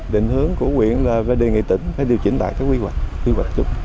định hướng của huyện là về đề nghị tỉnh phải điều chỉnh lại các quy hoạch quy hoạch chung